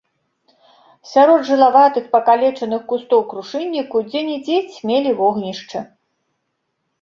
Сярод жылаватых пакалечаных кустоў крушынніку дзе-нідзе цьмелі вогнішчы.